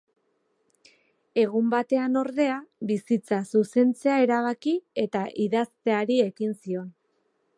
Egun batean, ordea, bizitza zuzentzea erabaki, eta idazteari ekin zion.